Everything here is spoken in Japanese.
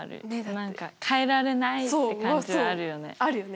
何か変えられないって感じはあるよね。